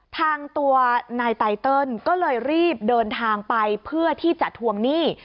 ทางตัวนายไตเติลก็เลยรีบเดินทางไปเพื่อที่จะทวงหนี้